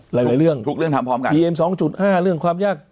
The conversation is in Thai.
หลายหลายเรื่องทุกเรื่องทำพร้อมกันดีเอ็มสองจุดห้าเรื่องความยาก